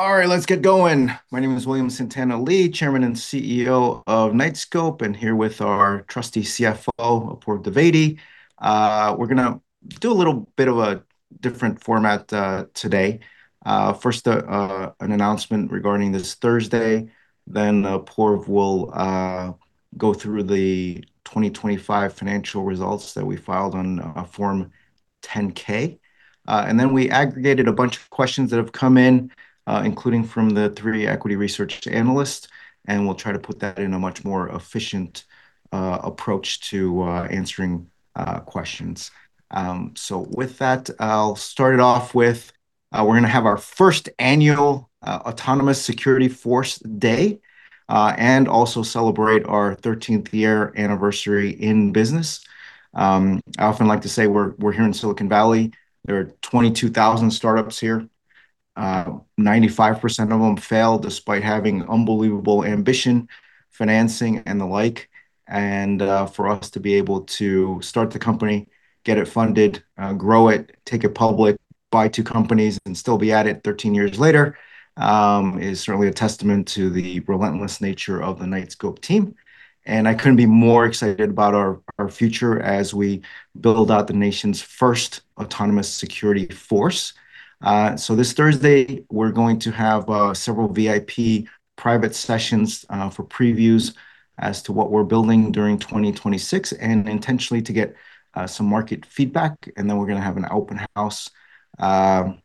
All right, let's get going. My name is William Santana Li, Chairman and CEO of Knightscope, and here with our trusty CFO, Apoorv Dwivedi. We're gonna do a little bit of a different format today. First, an announcement regarding this Thursday, then Apoorv will go through the 2025 financial results that we filed on a Form 10-K. Then we aggregated a bunch of questions that have come in, including from the three equity research analysts, and we'll try to put that in a much more efficient approach to answering questions. With that, I'll start it off with, we're gonna have our first annual Autonomous Security Force Day, and also celebrate our 13th year anniversary in business. I often like to say we're here in Silicon Valley. There are 22,000 startups here. 95% of them fail despite having unbelievable ambition, financing, and the like. For us to be able to start the company, get it funded, grow it, take it public, buy two companies, and still be at it 13 years later is certainly a testament to the relentless nature of the Knightscope team. I couldn't be more excited about our future as we build out the nation's first Autonomous Security Force. This Thursday, we're going to have several VIP private sessions for previews as to what we're building during 2026 and intentionally to get some market feedback. Then we're gonna have an open house in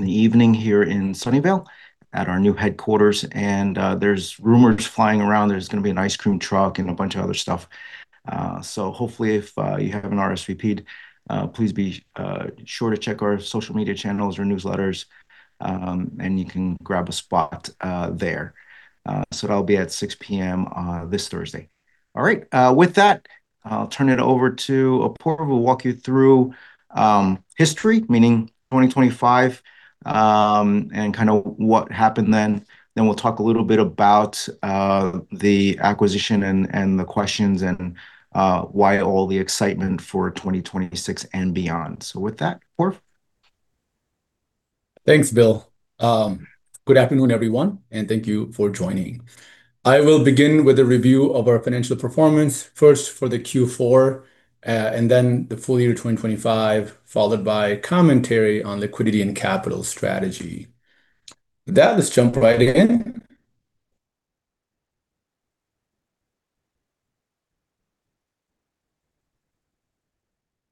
the evening here in Sunnyvale at our new headquarters. There's rumors flying around there's gonna be an ice cream truck and a bunch of other stuff. Hopefully, if you haven't RSVP'd, please be sure to check our social media channels or newsletters, and you can grab a spot there. That'll be at 6:00 P.M. this Thursday. All right. With that, I'll turn it over to Apoorv, who will walk you through history, meaning 2025, and kinda what happened then. Then we'll talk a little bit about the acquisition and the questions and why all the excitement for 2026 and beyond. With that, Apoorv. Thanks, Bill. Good afternoon, everyone, and thank you for joining. I will begin with a review of our financial performance, first for the Q4, and then the full-year 2025, followed by commentary on liquidity and capital strategy. With that, let's jump right in.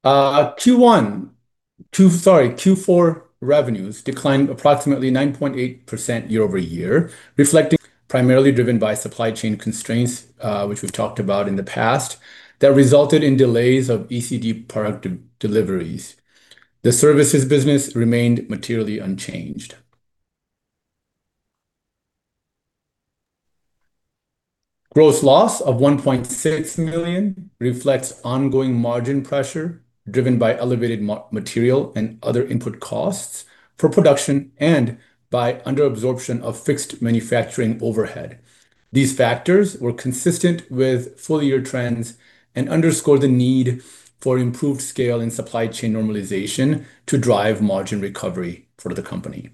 Q4 revenues declined approximately 9.8% year-over-year, reflecting primarily driven by supply chain constraints, which we've talked about in the past, that resulted in delays of ECD product deliveries. The services business remained materially unchanged. Gross loss of $1.6 million reflects ongoing margin pressure driven by elevated material and other input costs for production and by under absorption of fixed manufacturing overhead. These factors were consistent with full-year trends and underscore the need for improved scale and supply chain normalization to drive margin recovery for the company.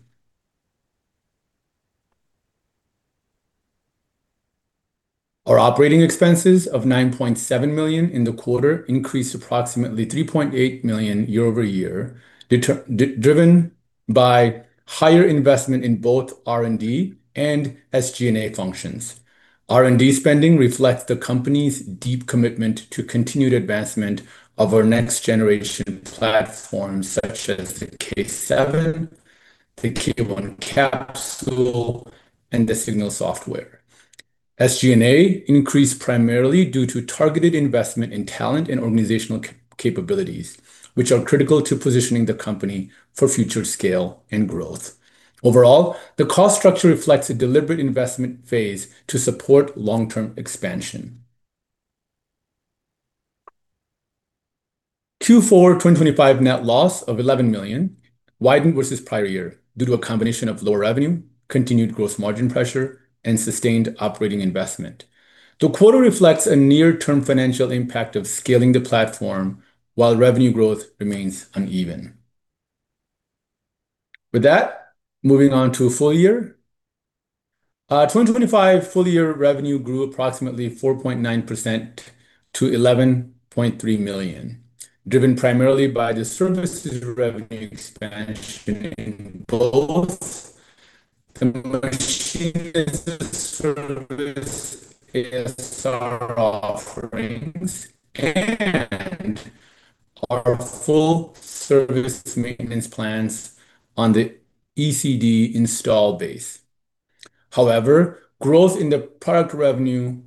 Our operating expenses of $9.7 million in the quarter increased approximately $3.8 million year-over-year, driven by higher investment in both R&D and SG&A functions. R&D spending reflects the company's deep commitment to continued advancement of our next generation platforms, such as the K7, the K1 Capsule, and the Signals software. SG&A increased primarily due to targeted investment in talent and organizational capabilities, which are critical to positioning the company for future scale and growth. Overall, the cost structure reflects a deliberate investment phase to support long-term expansion. Q4 2025 net loss of $11 million widened versus prior year due to a combination of lower revenue, continued gross margin pressure, and sustained operating investment. The quarter reflects a near-term financial impact of scaling the platform while revenue growth remains uneven. With that, moving on to full-year. 2025 full-year revenue grew approximately 4.9% to $11.3 million, driven primarily by the services revenue expansion in both the Machine-as-a-Service ASR offerings and our full-service maintenance plans on the ECD installed base. However, growth in the product revenue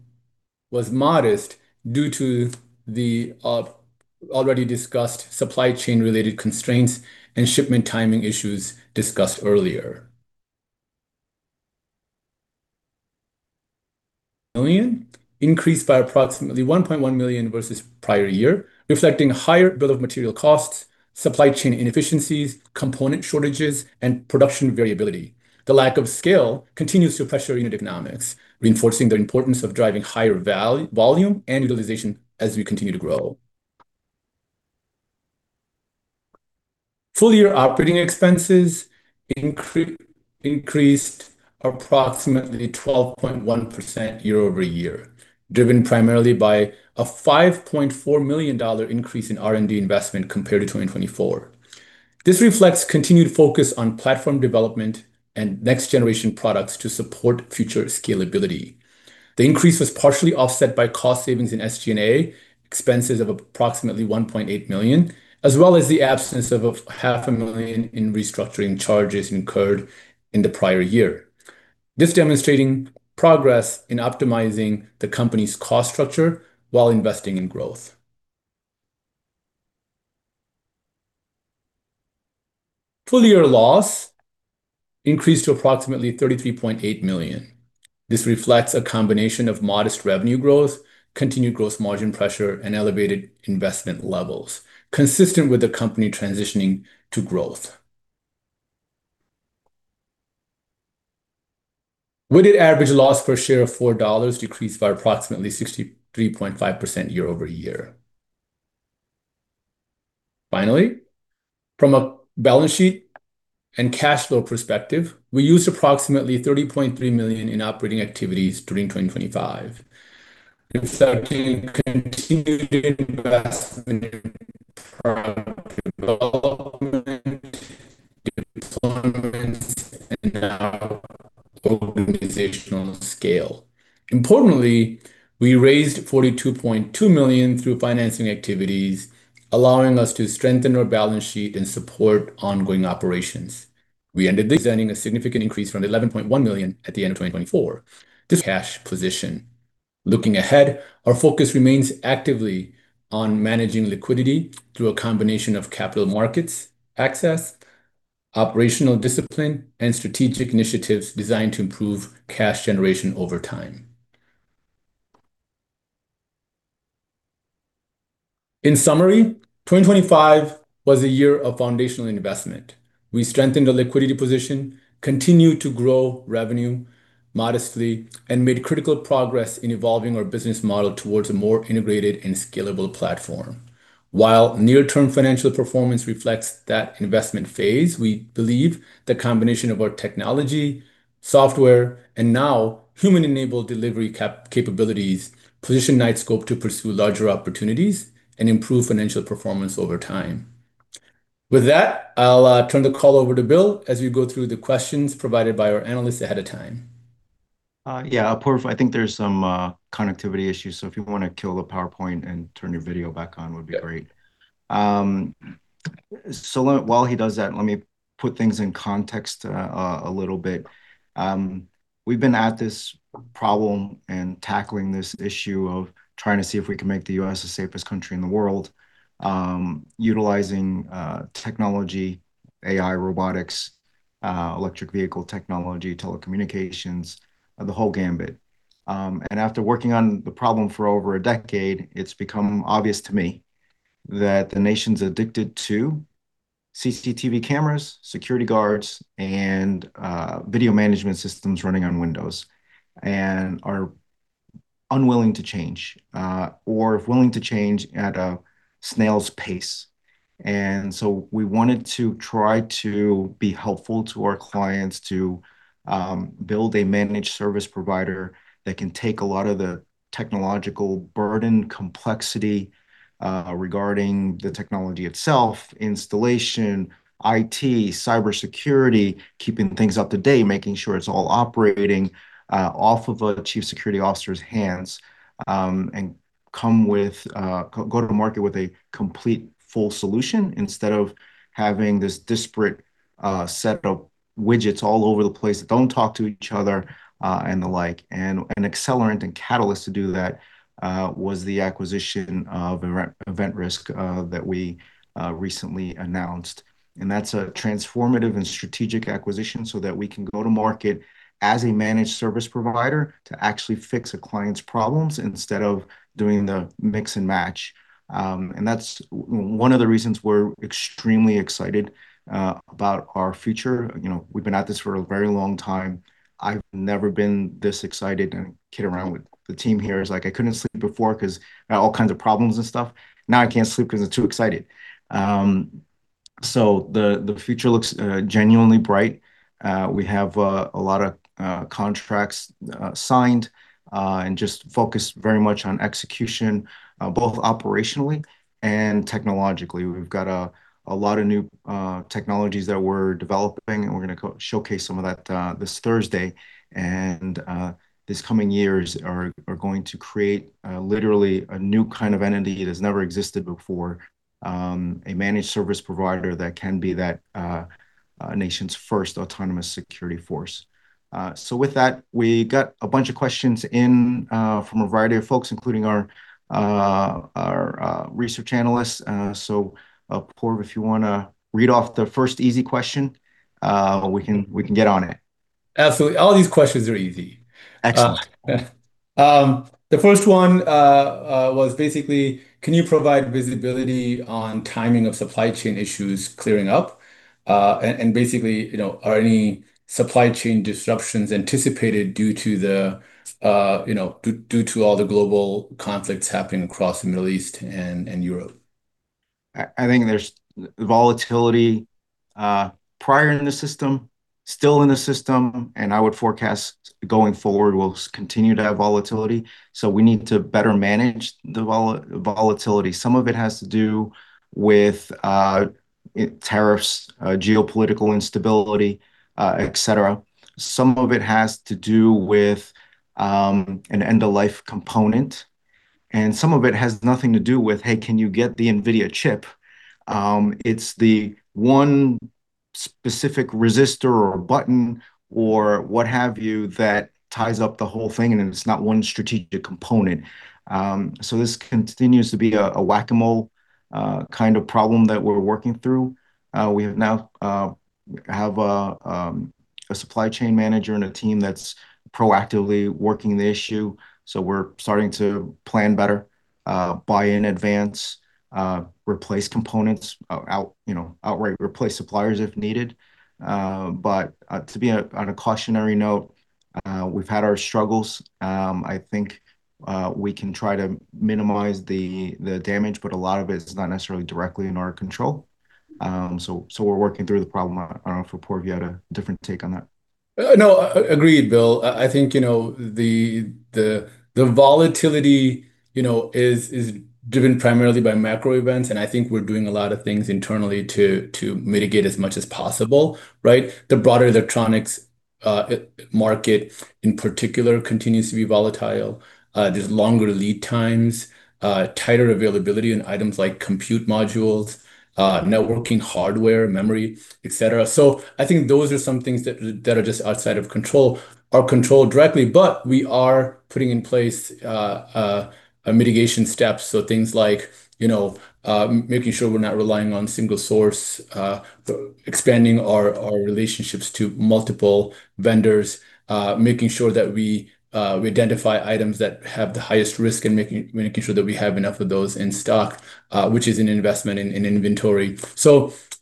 was modest due to the already discussed supply-chain-related constraints and shipment timing issues discussed earlier. Cost of revenue increased by approximately $1.1 million versus prior year, reflecting higher bill of material costs, supply chain inefficiencies, component shortages, and production variability. The lack of scale continues to pressure unit economics, reinforcing the importance of driving higher volume and utilization as we continue to grow. full-year operating expenses increased approximately 12.1% year-over-year, driven primarily by a $5.4 million increase in R&D investment compared to 2024. This reflects continued focus on platform development and next generation products to support future scalability. The increase was partially offset by cost savings in SG&A expenses of approximately $1.8 million, as well as the absence of $500,000 in restructuring charges incurred in the prior year. This demonstrating progress in optimizing the company's cost structure while investing in growth. Full-year loss increased to approximately $33.8 million. This reflects a combination of modest revenue growth, continued gross margin pressure, and elevated investment levels consistent with the company transitioning to growth. Weighted average loss per share of $4 decreased by approximately 63.5% year over year. Finally, from a balance sheet and cash flow perspective, we used approximately $30.3 million in operating activities during 2025. Continuing to invest in product development, deployments, and now organizational scale. Importantly, we raised $42.2 million through financing activities, allowing us to strengthen our balance sheet and support ongoing operations. We ended representing a significant increase from $11.1 million at the end of 2024. Looking ahead, our focus remains actively on managing liquidity through a combination of capital markets access, operational discipline, and strategic initiatives designed to improve cash generation over time. In summary, 2025 was a year of foundational investment. We strengthened the liquidity position, continued to grow revenue modestly, and made critical progress in evolving our business model towards a more integrated and scalable platform. While near-term financial performance reflects that investment phase, we believe the combination of our technology, software, and now human-enabled delivery capabilities position Knightscope to pursue larger opportunities and improve financial performance over time. With that, I'll turn the call over to Bill as we go through the questions provided by our analysts ahead of time. Yeah, Apoorv, I think there's some connectivity issues. So if you wanna kill the PowerPoint and turn your video back on would be great. While he does that, let me put things in context a little bit. We've been at this problem and tackling this issue of trying to see if we can make the U.S. the safest country in the world, utilizing technology, AI, robotics, electric vehicle technology, telecommunications, the whole gamut. After working on the problem for over a decade, it's become obvious to me that the nation's addicted to CCTV cameras, security guards, and video management systems running on Windows and are unwilling to change, or if willing to change at a snail's pace. We wanted to try to be helpful to our clients to build a managed service provider that can take a lot of the technological burden, complexity, regarding the technology itself, installation, IT, cybersecurity, keeping things up to date, making sure it's all operating off of a chief security officer's hands, and come with go to market with a complete, full solution instead of having this disparate set of widgets all over the place that don't talk to each other, and the like. An accelerant and catalyst to do that was the acquisition of Event Risk that we recently announced. That's a transformative and strategic acquisition so that we can go to market as a managed service provider to actually fix a client's problems instead of doing the mix and match. That's one of the reasons we're extremely excited about our future. You know, we've been at this for a very long time. I've never been this excited, and I kid around with the team here is like, I couldn't sleep before 'cause I had all kinds of problems and stuff. Now I can't sleep 'cause I'm too excited. The future looks genuinely bright. We have a lot of contracts signed and just focused very much on execution, both operationally and technologically. We've got a lot of new technologies that we're developing, and we're gonna showcase some of that this Thursday. These coming years are going to create literally a new kind of entity that's never existed before, a managed service provider that can be the nation's first Autonomous Security Force. With that, we got a bunch of questions in from a variety of folks, including our research analysts. Apoorv, if you wanna read off the first easy question, we can get on it. Absolutely. All these questions are easy. Excellent. The first one was basically, can you provide visibility on timing of supply chain issues clearing up? Basically, you know, are any supply chain disruptions anticipated due to the, you know, due to all the global conflicts happening across the Middle East and Europe? I think there's volatility prior in the system, still in the system, and I would forecast going forward, we'll continue to have volatility. We need to better manage the volatility. Some of it has to do with tariffs, geopolitical instability, et cetera. Some of it has to do with an end-of-life component, and some of it has nothing to do with, "Hey, can you get the NVIDIA chip?" It's the one specific resistor or button or what have you, that ties up the whole thing, and it's not one strategic component. This continues to be a whack-a-mole kind of problem that we're working through. We have a supply chain manager and a team that's proactively working the issue, so we're starting to plan better, buy in advance, replace components out, you know, outright replace suppliers if needed. To be on a cautionary note, we've had our struggles. I think we can try to minimize the damage, but a lot of it is not necessarily directly in our control. We're working through the problem. I don't know if Apoorv, you had a different take on that. No, agreed, Bill. I think, you know, the volatility, you know, is driven primarily by macro events, and I think we're doing a lot of things internally to mitigate as much as possible, right? The broader electronics market in particular continues to be volatile. There's longer lead times, tighter availability in items like compute modules, networking hardware, memory, et cetera. So I think those are some things that are just outside of control or controlled directly. We are putting in place a mitigation steps, so things like, you know, making sure we're not relying on single source, expanding our relationships to multiple vendors, making sure that we identify items that have the highest risk, and making sure that we have enough of those in stock, which is an investment in inventory.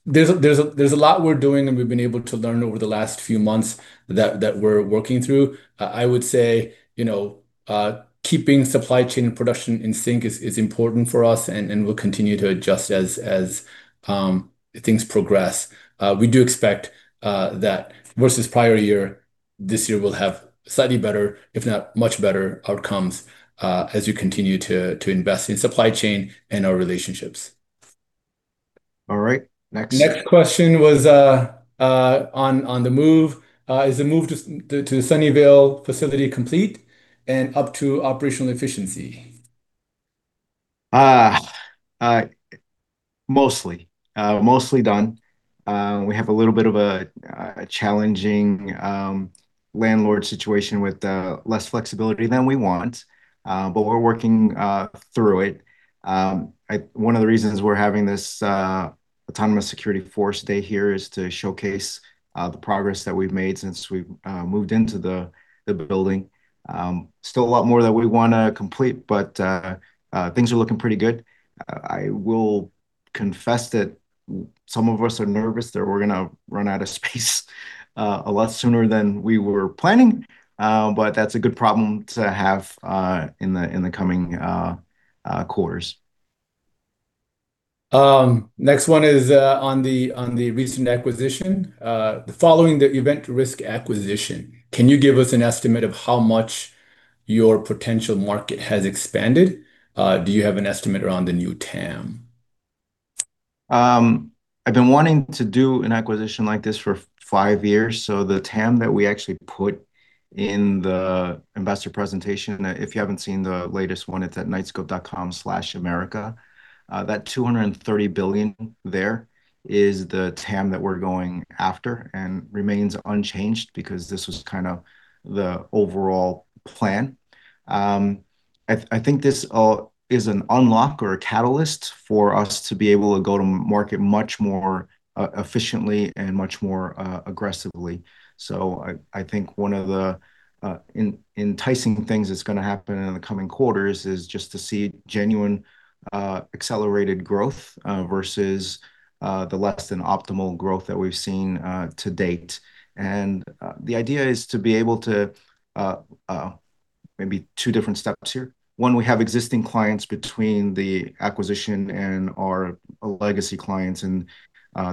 There's a lot we're doing, and we've been able to learn over the last few months that we're working through. I would say, you know, keeping supply chain and production in sync is important for us and we'll continue to adjust as things progress. We do expect that versus prior year, this year we'll have slightly better, if not much better outcomes, as we continue to invest in supply chain and our relationships. All right. Next. Next question was on the move. Is the move to Sunnyvale facility complete and up to operational efficiency? Mostly done. We have a little bit of a challenging landlord situation with less flexibility than we want, but we're working through it. One of the reasons we're having this Autonomous Security Force Day here is to showcase the progress that we've made since we've moved into the building. Still a lot more that we wanna complete, but things are looking pretty good. I will confess that some of us are nervous that we're gonna run out of space a lot sooner than we were planning. That's a good problem to have in the coming quarters. Next one is on the recent acquisition. Following the Event Risk acquisition, can you give us an estimate of how much your potential market has expanded? Do you have an estimate around the new TAM? I've been wanting to do an acquisition like this for five years. The TAM that we actually put in the investor presentation, if you haven't seen the latest one, it's at knightscope.com/america. That $230 billion there is the TAM that we're going after and remains unchanged because this was kind of the overall plan. I think this all is an unlock or a catalyst for us to be able to go to market much more efficiently and much more aggressively. I think one of the enticing things that's gonna happen in the coming quarters is just to see genuine accelerated growth versus the less than optimal growth that we've seen to date. The idea is to be able to maybe two different steps here. One, we have existing clients between the acquisition and our legacy clients, and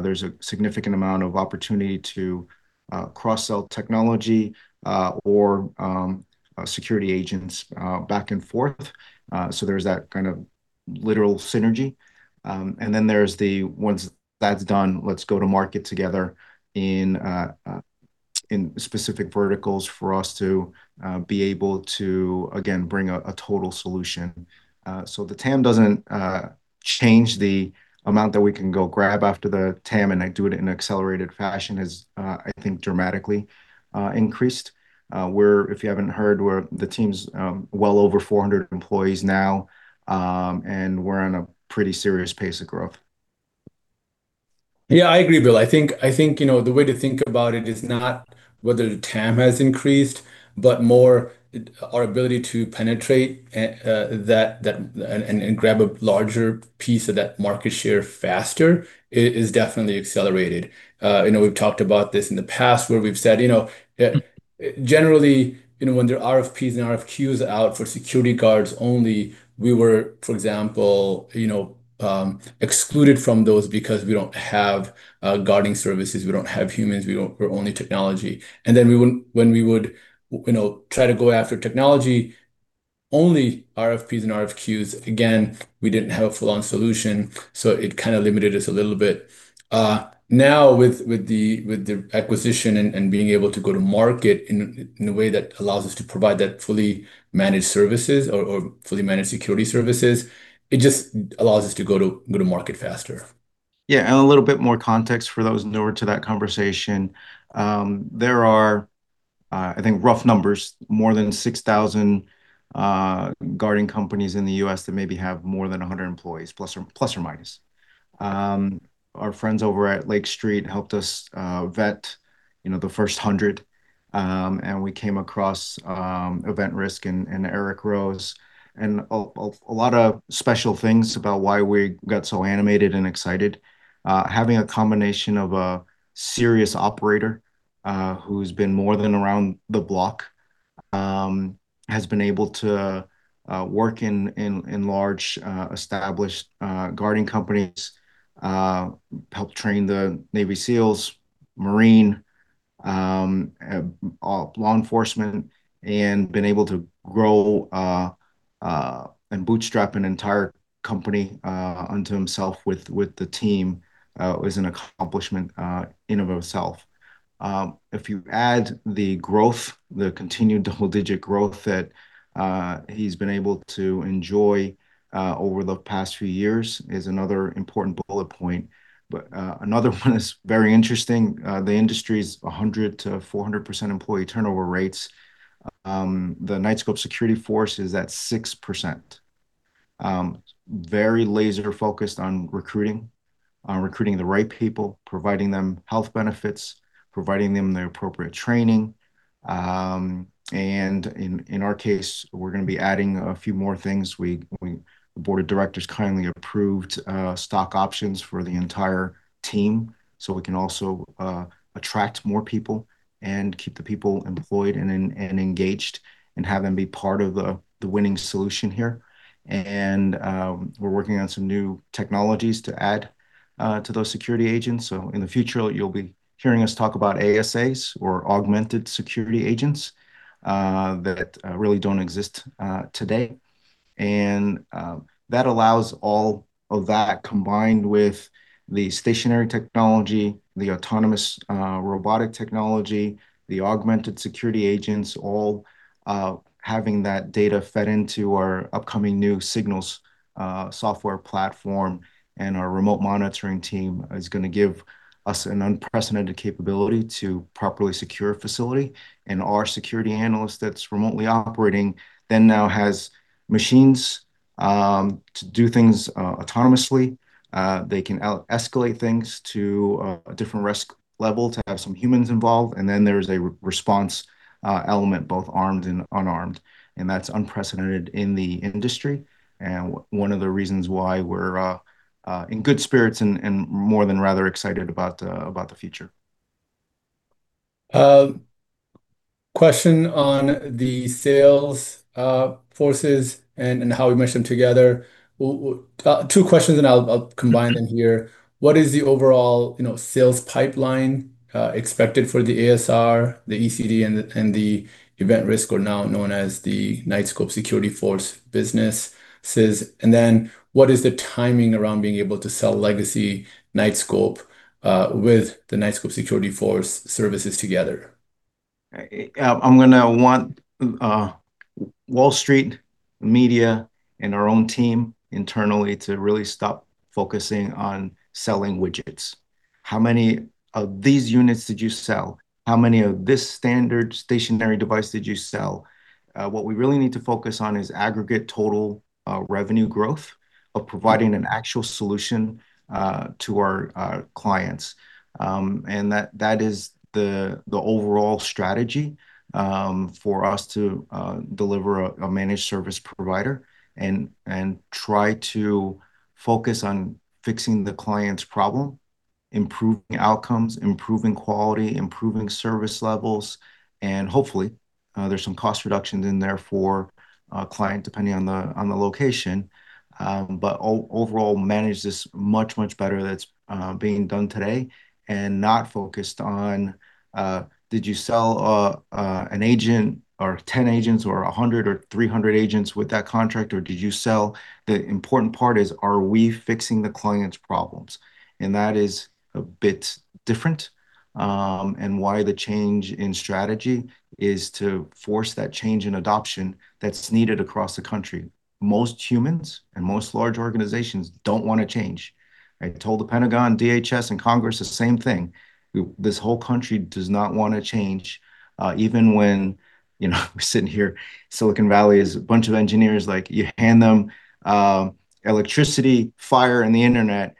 there's a significant amount of opportunity to cross-sell technology or security agents back and forth. There's that kind of literal synergy. Once that's done, let's go to market together in specific verticals for us to be able to again bring a total solution. The TAM doesn't change the amount that we can go grab after the TAM, and we do it in accelerated fashion is I think dramatically increased. If you haven't heard, we're the team is well over 400 employees now, and we're on a pretty serious pace of growth. Yeah, I agree, Bill. I think you know, the way to think about it is not whether the TAM has increased, but more our ability to penetrate that and grab a larger piece of that market share faster is definitely accelerated. You know, we've talked about this in the past where we've said, you know, generally, you know, when there are RFPs and RFQs out for security guards only, we were, for example, you know, excluded from those because we don't have guarding services. We don't have humans. We're only technology. When we would, you know, try to go after technology-only RFPs and RFQs, again, we didn't have a full-on solution, so it kinda limited us a little bit. Now with the acquisition and being able to go to market in a way that allows us to provide that fully managed services or fully managed security services, it just allows us to go to market faster. Yeah. A little bit more context for those newer to that conversation. There are, I think, rough numbers, more than 6,000 guarding companies in the U.S. that maybe have more than 100 employees, plus or minus. Our friends over at Lake Street helped us vet, you know, the first 100, and we came across Event Risk and Eric Rose. A lot of special things about why we got so animated and excited. Having a combination of a serious operator who's been more than around the block has been able to work in large established guarding companies helped train the Navy SEALs, Marines, law enforcement and been able to grow and bootstrap an entire company onto himself with the team is an accomplishment in and of itself. If you add the growth, the continued double-digit growth that he's been able to enjoy over the past few years is another important bullet point. Another one that's very interesting, the industry's 100%-400% employee turnover rates. The Knightscope Security Force is at 6%. Very laser-focused on recruiting the right people, providing them health benefits, providing them the appropriate training. In our case, we're gonna be adding a few more things. The Board of Directors kindly approved stock options for the entire team, so we can also attract more people and keep the people employed and engaged and have them be part of the winning solution here. We're working on some new technologies to add to those security agents. In the future, you'll be hearing us talk about ASAs or augmented security agents that really don't exist today. That allows all of that combined with the stationary technology, the autonomous robotic technology, the augmented security agents, all having that data fed into our upcoming new Signals software platform and our remote monitoring team is gonna give us an unprecedented capability to properly secure a facility. Our security analyst that's remotely operating them now has machines to do things autonomously. They can escalate things to a different risk level to have some humans involved. Then there's a response element, both armed and unarmed. That's unprecedented in the industry. One of the reasons why we're in good spirits and more than rather excited about the future. Question on the sales forces and how we mesh them together. Two questions, and I'll combine them here. What is the overall, you know, sales pipeline expected for the ASR, the ECD, and the Event Risk or now known as the Knightscope Security Force businesses? And then what is the timing around being able to sell Legacy Knightscope with the Knightscope Security Force services together? I'm gonna want Wall Street, media, and our own team internally to really stop focusing on selling widgets. How many of these units did you sell? How many of this standard stationary device did you sell? What we really need to focus on is aggregate total revenue growth of providing an actual solution to our clients. That is the overall strategy for us to deliver a managed service provider and try to focus on fixing the client's problem, improving outcomes, improving quality, improving service levels, and hopefully there's some cost reductions in there for our client, depending on the location. Overall manage this much better that's being done today and not focused on did you sell an agent or 10 agents or 100 or 300 agents with that contract or did you sell? The important part is are we fixing the client's problems? That is a bit different and why the change in strategy is to force that change in adoption that's needed across the country. Most humans and most large organizations don't wanna change. I told the Pentagon, DHS, and Congress the same thing. This whole country does not wanna change. Even when, you know, we're sitting here, Silicon Valley is a bunch of engineers. Like, you hand them electricity, fire, and the internet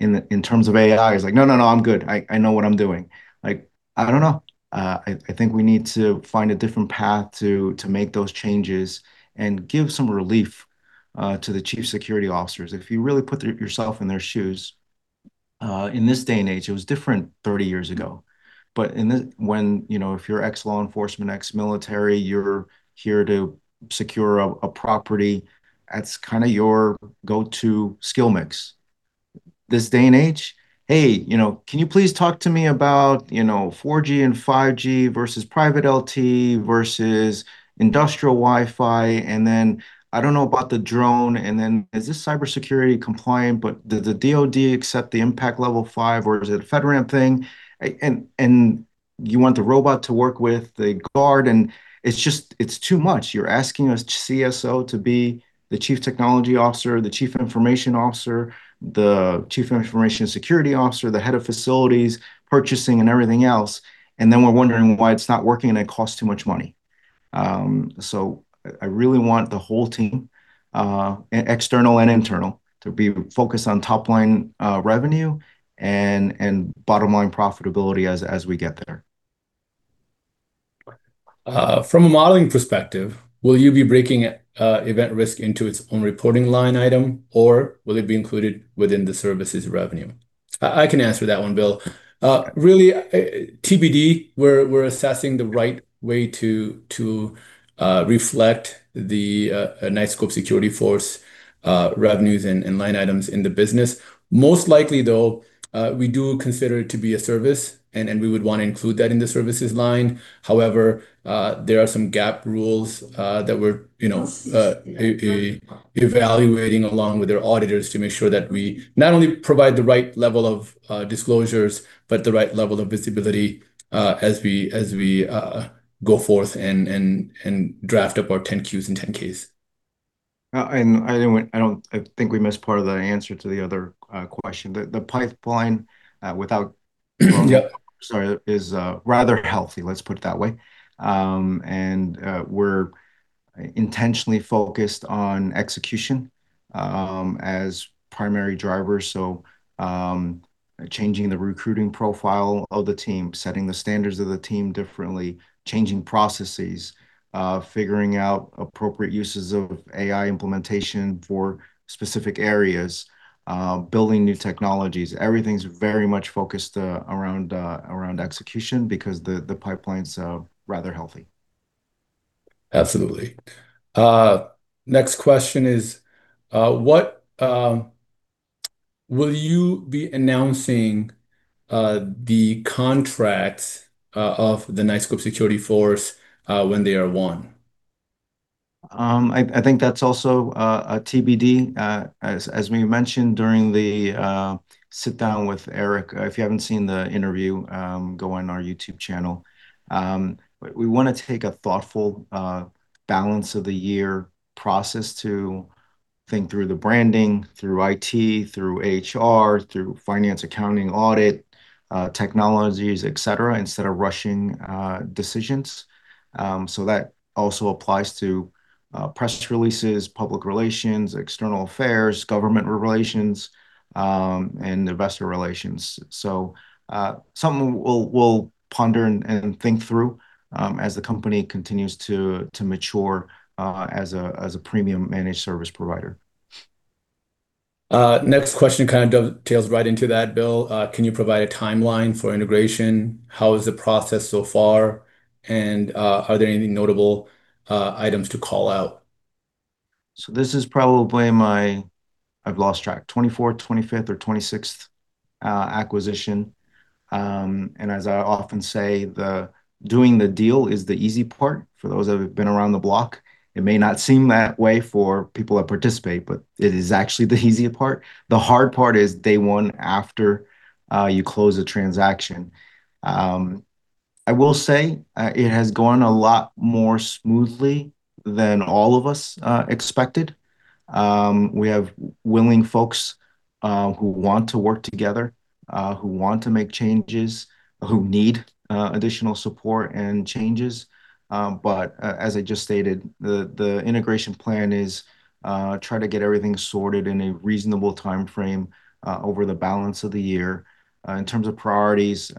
in terms of AI, it's like, "No, no, I'm good. I know what I'm doing." Like, I don't know. I think we need to find a different path to make those changes and give some relief to the Chief Security Officers. If you really put yourself in their shoes, in this day and age, it was different 30 years ago. When, you know, if you're ex-law enforcement, ex-military, you're here to secure a property, that's kinda your go-to skill mix. This day and age, "Hey, you know, can you please talk to me about, you know, 4G and 5G versus Private LTE versus industrial Wi-Fi? And then I don't know about the drone, and then is this cybersecurity compliant? But does the DoD accept the Impact Level 5, or is it a FedRAMP thing? And you want the robot to work with the guard." It's just too much. You're asking a CSO to be the Chief Technology Officer, the Chief Information Officer, the Chief Information Security Officer, the head of facilities, purchasing, and everything else, and then we're wondering why it's not working and it costs too much money. I really want the whole team, external and internal, to be focused on top-line revenue and bottom-line profitability as we get there. From a modeling perspective, will you be breaking Event Risk into its own reporting line item, or will it be included within the services revenue? I can answer that one, Bill. Really, TBD, we're assessing the right way to reflect the Knightscope Security Force revenues and line items in the business. Most likely though, we do consider it to be a service and we would wanna include that in the services line. However, there are some GAAP rules that we're you know evaluating along with our auditors to make sure that we not only provide the right level of disclosures, but the right level of visibility as we go forth and draft up our 10-Qs and 10-Ks. I think we missed part of the answer to the other question. The pipeline without- Yeah. Sorry, is rather healthy, let's put it that way. We're intentionally focused on execution as primary drivers. Changing the recruiting profile of the team, setting the standards of the team differently, changing processes, figuring out appropriate uses of AI implementation for specific areas, building new technologies. Everything's very much focused around execution because the pipeline's rather healthy. Absolutely. Next question is, will you be announcing the contracts of the Knightscope Security Force when they are won? I think that's also a TBD. As we mentioned during the sit down with Eric, if you haven't seen the interview, go on our YouTube channel. We wanna take a thoughtful balance-of-the-year process to think through the branding, through IT, through HR, through finance, accounting, audit, technologies, et cetera, instead of rushing decisions. So that also applies to press releases, public relations, external affairs, government relations, and investor relations. Something we'll ponder and think through as the company continues to mature as a premium managed service provider. Next question kinda dovetails right into that, Bill. Can you provide a timeline for integration? How is the process so far? Are there any notable items to call out? This is probably my, I've lost track, 24th, 25th, or 26th acquisition. As I often say, doing the deal is the easy part for those that have been around the block. It may not seem that way for people that participate, but it is actually the easier part. The hard part is day one after you close the transaction. I will say it has gone a lot more smoothly than all of us expected. We have willing folks who want to work together who want to make changes, who need additional support and changes. As I just stated, the integration plan is to try to get everything sorted in a reasonable timeframe over the balance of the year. In terms of priorities,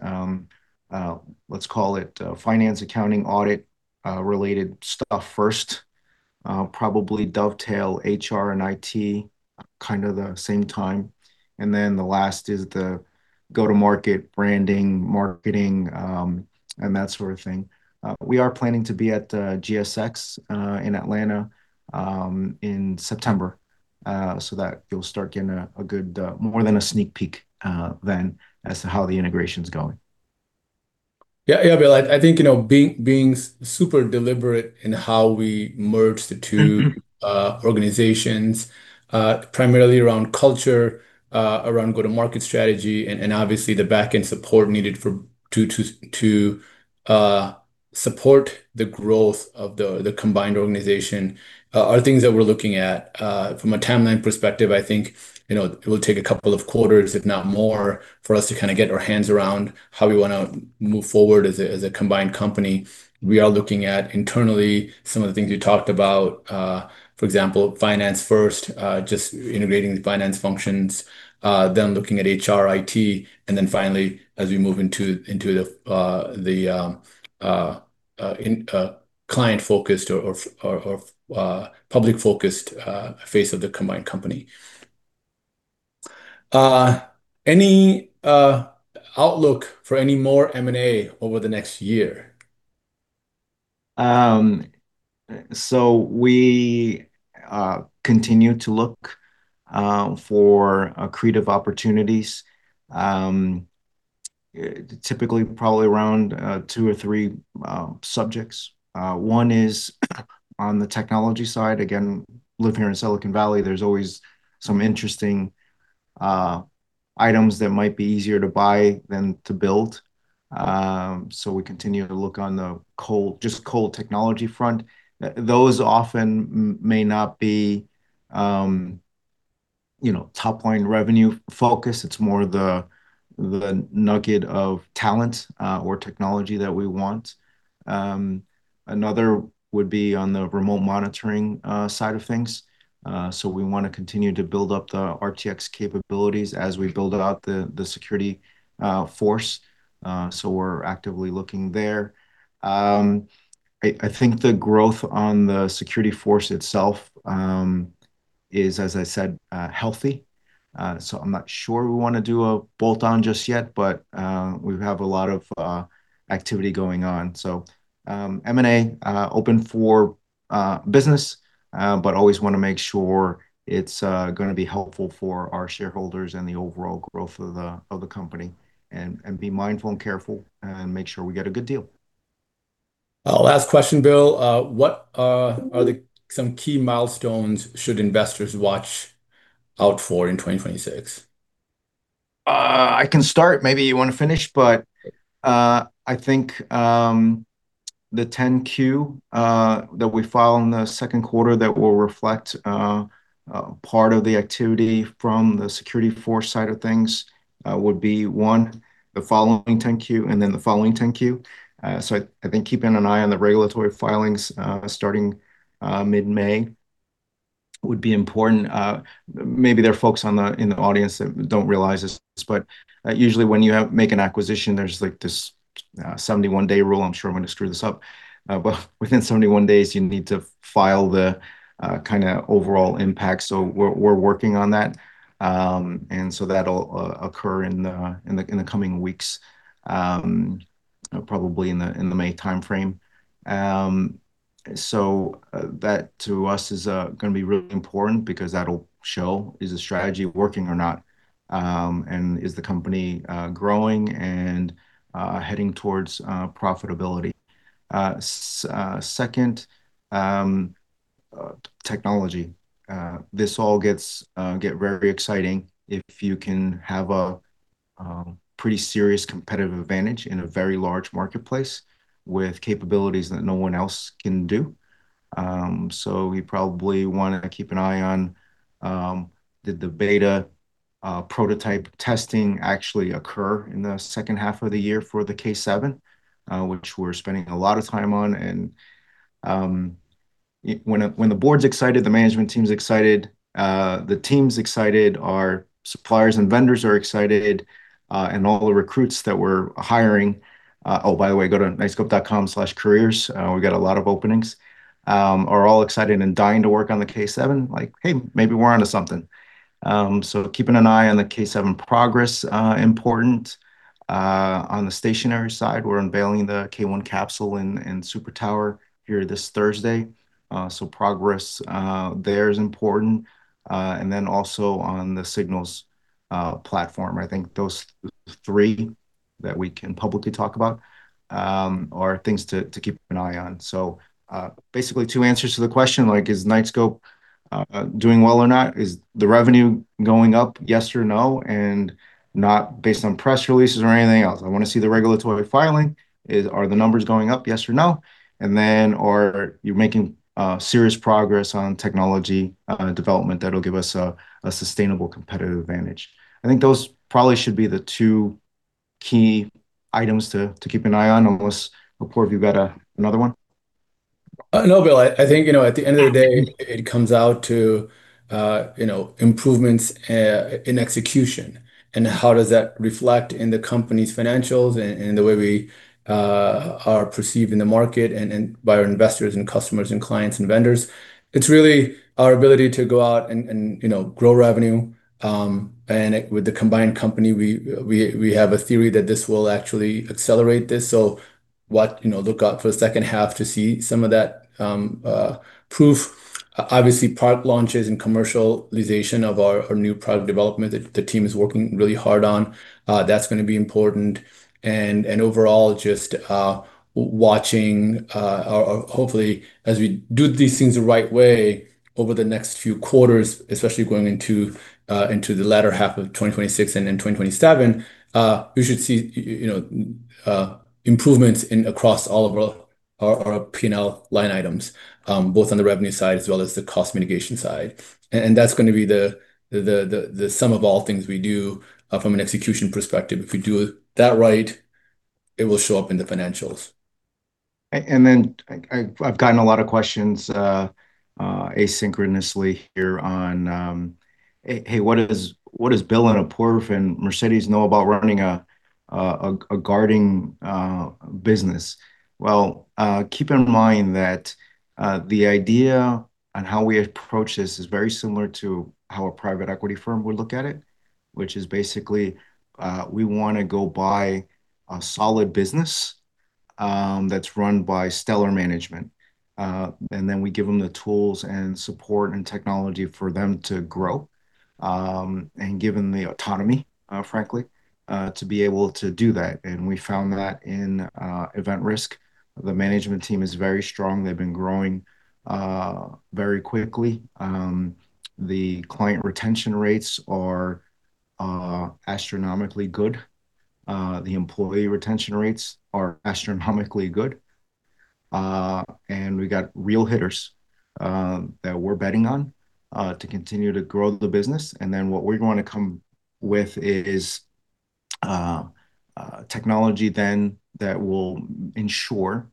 let's call it finance, accounting, audit, related stuff first. Probably dovetail HR and IT kinda the same time. Then the last is the go-to-market branding, marketing, and that sort of thing. We are planning to be at GSX in Atlanta in September, so that you'll start getting a good more than a sneak peek then as to how the integration's going. Yeah. Yeah, Bill, I think, you know, being super deliberate in how we merge the two- Mm-hmm. Organizations, primarily around culture, around go-to-market strategy, and obviously the backend support needed to support the growth of the combined organization are things that we're looking at. From a timeline perspective, I think, you know, it will take a couple of quarters, if not more, for us to kinda get our hands around how we wanna move forward as a combined company. We are looking at internally some of the things we talked about, for example, finance first, just integrating the finance functions. Then looking at HR, IT, and then finally as we move into the client-focused or public-focused face of the combined company. Any outlook for any more M&A over the next year? We continue to look for accretive opportunities. Typically probably around two or three subjects. One is on the technology side. Again, living here in Silicon Valley, there's always some interesting items that might be easier to buy than to build. We continue to look on the core, just core technology front. Those often may not be, you know, top-line revenue focus. It's more the nugget of talent or technology that we want. Another would be on the remote monitoring side of things. We wanna continue to build up the RTX capabilities as we build out the security force. We're actively looking there. I think the growth on the security force itself is, as I said, healthy. I'm not sure we wanna do a bolt-on just yet, but we have a lot of activity going on. M&A open for business, but always wanna make sure it's gonna be helpful for our shareholders and the overall growth of the company and be mindful and careful and make sure we get a good deal. Last question, Bill. What are some key milestones that investors should watch out for in 2026? I can start. Maybe you wanna finish. I think the 10-Q that we file in the second quarter that will reflect part of the activity from the security force side of things would be in the following 10-Q and then the following 10-Q. I think keeping an eye on the regulatory filings starting mid-May would be important. Maybe there are folks in the audience that don't realize this, but usually when you make an acquisition, there's like this 71-day rule. I'm sure I'm gonna screw this up. Within 71 days you need to file the kinda overall impact. We're working on that. That'll occur in the coming weeks, probably in the May timeframe. That to us is gonna be really important because that'll show if the strategy is working or not. Is the company growing and heading towards profitability. Second, the technology, this all gets very exciting if you can have a pretty serious competitive advantage in a very large marketplace with capabilities that no one else can do. We probably wanna keep an eye on did the beta prototype testing actually occur in the second half of the year for the K7, which we're spending a lot of time on. When the board's excited, the management team's excited, the team's excited, our suppliers and vendors are excited, and all the recruits that we're hiring. Oh, by the way, go to knightscope.com/careers. We've got a lot of openings. They are all excited and dying to work on the K7. Like, hey, maybe we're onto something. Keeping an eye on the K7 progress important. On the stationary side, we're unveiling the K1 Capsule in K1 Super Tower here this Thursday. Progress there is important. And then also on the Signals platform. I think those three that we can publicly talk about are things to keep an eye on. Basically two answers to the question, like is Knightscope doing well or not? Is the revenue going up, yes or no? Not based on press releases or anything else. I wanna see the regulatory filing. Are the numbers going up, yes or no? Are you making serious progress on technology development that'll give us a sustainable competitive advantage? I think those probably should be the two key items to keep an eye on, unless Apoorv, you've got another one. No, Bill. I think, you know, at the end of the day it comes out to, you know, improvements in execution, and how does that reflect in the company's financials and the way we are perceived in the market and by our investors, and customers, and clients, and vendors. It's really our ability to go out and, you know, grow revenue. With the combined company, we have a theory that this will actually accelerate this. You know, look out for the second half to see some of that proof. Obviously, product launches and commercialization of our new product development that the team is working really hard on, that's gonna be important. Overall, hopefully as we do these things the right way over the next few quarters, especially going into the latter half of 2026 and in 2027, we should see, you know, improvements across all of our P&L line items, both on the revenue side as well as the cost mitigation side. That's gonna be the sum of all things we do from an execution perspective. If we do that right, it will show up in the financials. Then I've gotten a lot of questions asynchronously here on hey what does Bill and Apoorv and Mercedes know about running a guarding business? Well, keep in mind that the idea and how we approach this is very similar to how a private equity firm would look at it, which is basically we wanna go buy a solid business that's run by stellar management. We give them the tools and support and technology for them to grow and give them the autonomy frankly to be able to do that. We found that in Event Risk. The management team is very strong. They've been growing very quickly. The client retention rates are astronomically good. The employee retention rates are astronomically good. We got real hitters that we're betting on to continue to grow the business. What we're gonna come with is technology that will ensure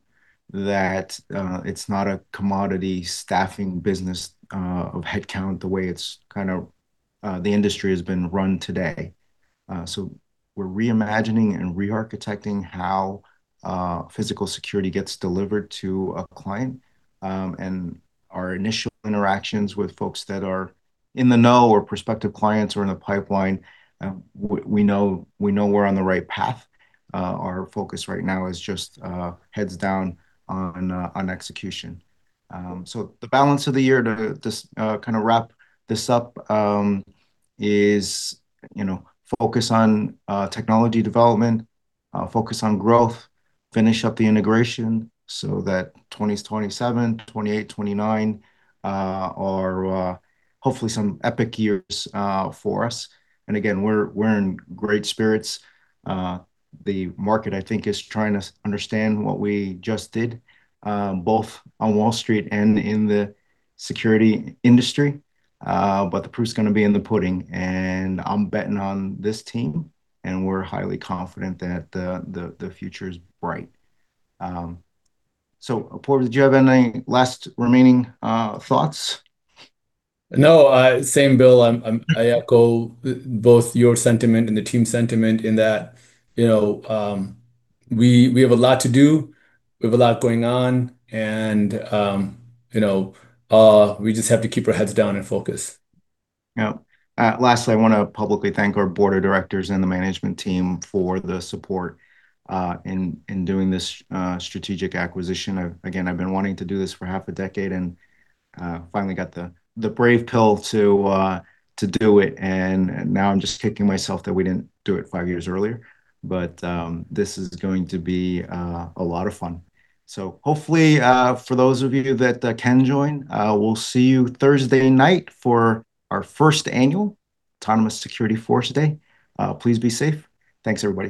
that it's not a commodity staffing business of headcount the way it's kind of the industry has been run today. We're reimagining and rearchitecting how physical security gets delivered to a client. Our initial interactions with folks that are in the know or prospective clients who are in the pipeline, we know we're on the right path. Our focus right now is just heads down on execution. The balance of the year to just kind of wrap this up is you know focus on technology development, focus on growth, finish up the integration so that 2027, 2028, 2029 are hopefully some epic years for us. We're in great spirits. The market, I think, is trying to understand what we just did, both on Wall Street and in the security industry. The proof's gonna be in the pudding, and I'm betting on this team, and we're highly confident that the future is bright. Apoorv, did you have any last remaining thoughts? No, same, Bill. I echo both your sentiment and the team's sentiment in that, you know, we have a lot to do, we have a lot going on and, you know, we just have to keep our heads down and focus. Yeah. Lastly, I wanna publicly thank our Board of Directors and the management team for the support in doing this strategic acquisition. Again, I've been wanting to do this for half a decade and finally got the brave pill to do it, and now I'm just kicking myself that we didn't do it five years earlier. This is going to be a lot of fun. Hopefully, for those of you that can join, we'll see you Thursday night for our first annual Autonomous Security Force Day. Please be safe. Thanks, everybody.